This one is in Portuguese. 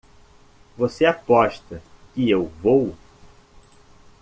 Você aposta que eu vou!